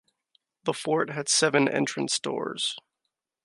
The fort had seven entrance doors.